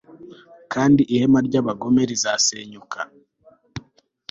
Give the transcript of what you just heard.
kandi ihema ry'abagome rizasenyuka